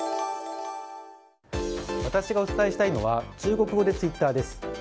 私がお伝えしたいのは中国語でツイッターです。